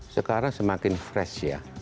sekarang semakin fresh ya